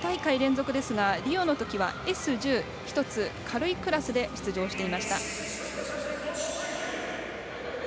リオのときはＳ１０１つ軽いクラスで出場していました。